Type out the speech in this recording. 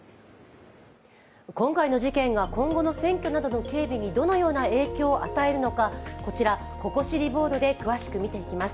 今回の事件が今後の選挙などの警備にどのような影響を与えるのか、こちら、ここ知りボードで詳しく見ていきます。